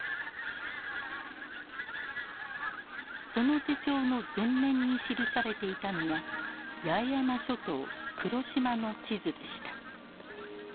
その手帳の全面に記されていたのが八重山諸島・黒島の地図でした。